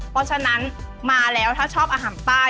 เพราะฉะนั้นมาแล้วถ้าชอบอาหารใต้